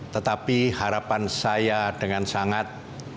tetapi harapan saya dengan sangat